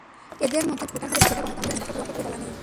এঁদের মধ্যে কারা ভোটার হবেন, সেটা গঠনতন্ত্রে স্পষ্ট করে বলা নেই।